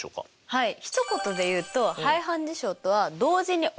はいひと言でいうとはい。